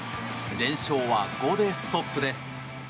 連勝は５でストップです。